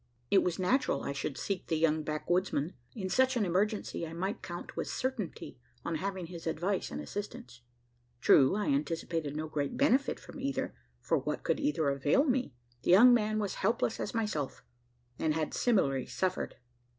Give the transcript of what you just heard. It was natural I should seek the young backwoodsman. In such an emergency, I might count with certainty on having his advice and assistance. True, I anticipated no great benefit from either: for what could either avail me? The young man was helpless as myself; and had similarly suffered.